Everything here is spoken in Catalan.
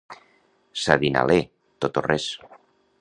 Sardinaler, tot o res.